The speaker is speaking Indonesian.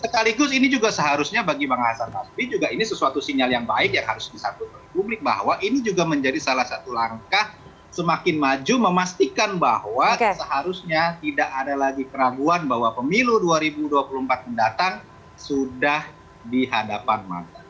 sekaligus ini juga seharusnya bagi bang hasan basri juga ini sesuatu sinyal yang baik yang harus disatukan publik bahwa ini juga menjadi salah satu langkah semakin maju memastikan bahwa seharusnya tidak ada lagi keraguan bahwa pemilu dua ribu dua puluh empat mendatang sudah dihadapan